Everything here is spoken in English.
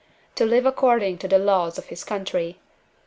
to live according to the laws of his country.